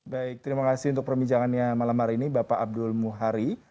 baik terima kasih untuk perbincangannya malam hari ini bapak abdul muhari